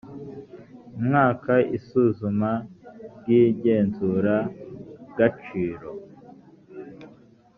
umwaka isuzuma ry igenzuragaciro